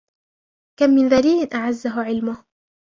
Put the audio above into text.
كَمْ مِنْ ذَلِيلٍ أَعَزَّهُ عِلْمُهُ